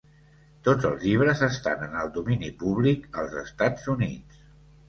Tots els llibres estan en el domini públic als Estats Units.